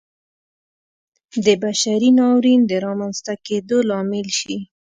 د بشري ناورین د رامنځته کېدو لامل شي.